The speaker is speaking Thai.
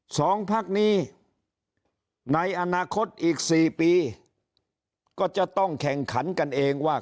สองพักนี้ในอนาคตอีกสี่ปีก็จะต้องแข่งขันกันเองว่า